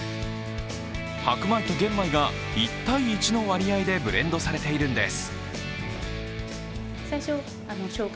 白米と玄米が１対１の割合でブレンドされているんです。